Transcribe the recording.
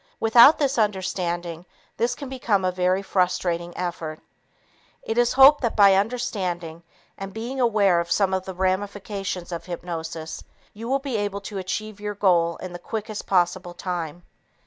Without this understanding, this can become a very frustrating effort. It is hoped that by understanding and being aware of some of the ramifications of hypnosis, you will be able to achieve your goal in the quickest possible time.